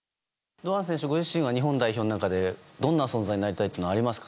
堂安選手ご自身は日本代表の中でどんな存在になりたいというのはありますか。